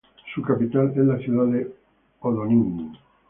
Su capital es la ciudad de Hodonín.